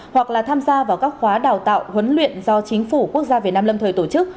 hoặc là tham gia vào các khóa đào tạo huấn luyện do chính phủ quốc gia việt nam lâm thời tổ chức